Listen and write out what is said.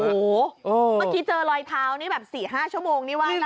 เมื่อกี้เจอรอยเท้านี่แบบ๔๕ชั่วโมงนี่ไห้แล้ว